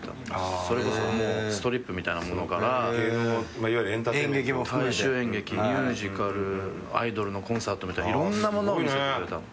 それこそもうストリップみたいなものから大衆演劇ミュージカルアイドルのコンサートみたいのいろんなものを見せてくれたの。